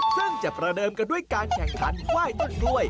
ซึ่งจะประเดิมกันด้วยการแข่งขันไหว้ต้นกล้วย